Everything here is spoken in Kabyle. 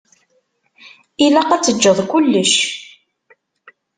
Ilaq ad teǧǧeḍ kullec.